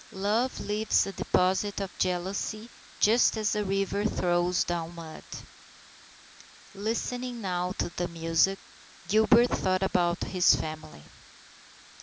Love leaves a deposit of jealousy just as a river throws down mud. Listening now to the music, Gilbert thought about his family.